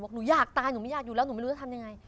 หนูอยากตายหนูไม่อยากอยู่แล้วหนูไม่รู้จะทำยังไง